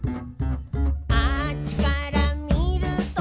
「あっちからみると」